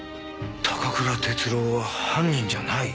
高倉徹郎は犯人じゃない？